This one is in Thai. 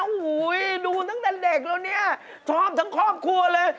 โอ้โหดูตั้งแต่เด็กแล้วเนี่ยชอบทั้งครอบครัวเลย